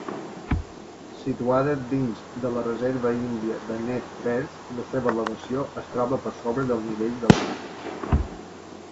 Situada dins de la Reserva Índia de Nez Perce, la seva elevació es troba per sobre del nivell del mar.